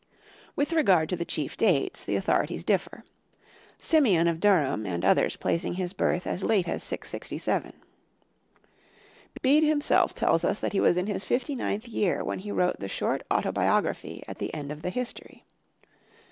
With regard to the chief dates, the authorities differ, Simeon of Durham and others placing his birth as late as 677. Bede himself tells us that he was in his fifty ninth year when he wrote the short autobiography at the end of the History.